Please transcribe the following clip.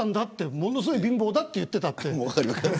ものすごく貧乏だって言っていたって。